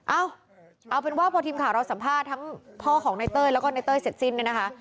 เอาเอาเป็นว่าพอทีมข่าวเราสัมภาษณ์ทั้งพ่อของในเต้ยแล้วก็ในเต้ยเสร็จสิ้นเนี่ยนะคะ